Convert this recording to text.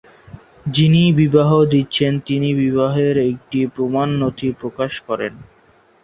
যিনি বিবাহ দিচ্ছেন, তিনি বিবাহের একটি প্রামাণ্য নথি প্রকাশ করেন।